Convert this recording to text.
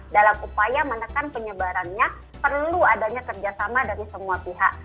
dalam upaya menekan penyebarannya perlu adanya kerjasama dari semua pihak